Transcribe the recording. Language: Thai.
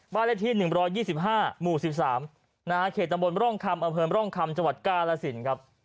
บ้านเลขที่๑๒๕หมู่๑๓นะครับเขตบนร่องคำอเภิร์มร่องคำจังหวัดกาลสินครับ